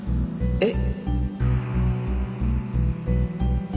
えっ？